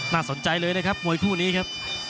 สนใจเลยนะครับมวยคู่นี้ครับ